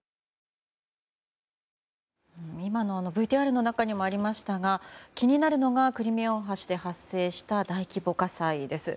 今のＶＴＲの中にもありましたが気になるのがクリミア大橋で発生した大規模火災です。